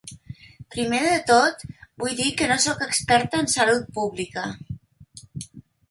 Primer de tot, vull dir que no sóc experta en salut pública.